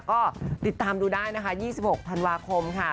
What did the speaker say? ก็ติดตามดูได้นะคะ๒๖ธันวาคมค่ะ